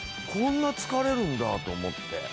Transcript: こんな疲れるんだと思って。